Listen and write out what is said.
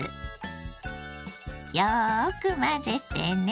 よく混ぜてね。